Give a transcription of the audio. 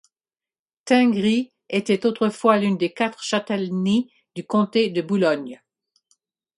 Tingry était autrefois l'une des quatre châtellenies du comté de Boulogne.